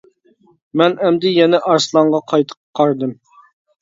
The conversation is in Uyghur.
مەن ئەمدى يەنە ئارسلانغا قايتا قارىدىم.